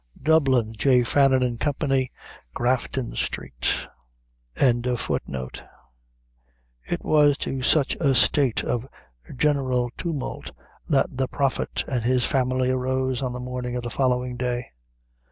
Dublin: J. Fannin & Co., Grafton Street. It was to such a state of general tumult that the Prophet and his family arose on the morning of the following day.